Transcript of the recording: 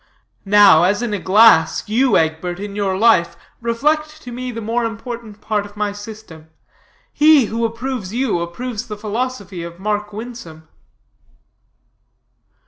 Now, as in a glass, you, Egbert, in your life, reflect to me the more important part of my system. He, who approves you, approves the philosophy of Mark Winsome."